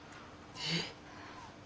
えっ。